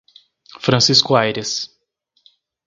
Francisco Ayres